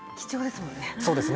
そうですね。